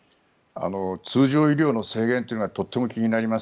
通常医療の制限というのがとても気になります。